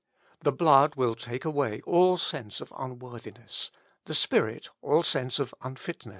The blood will take away all sense of unworthiness ; the Spirit, all sense of unfitness.